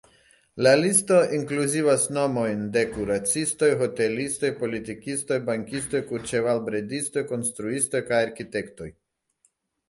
La listo inkluzivas nomojn de kuracistoj, hotelistoj, politikistoj, bankistoj, kurĉevalbredistoj, konstruistoj kaj arkitektoj.